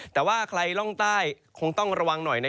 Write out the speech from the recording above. แต่ว่าใครร่องใต้คงต้องระวังหน่อย